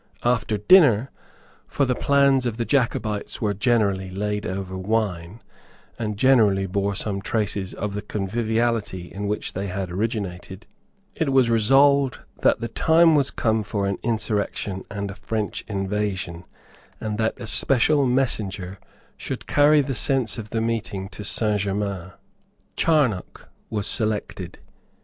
After dinner, for the plans of the Jacobites were generally laid over wine, and generally bore some trace of the conviviality in which they had originated, it was resolved that the time was come for an insurrection and a French invasion, and that a special messenger should carry the sense of the meeting to Saint Germains. Charnock was selected.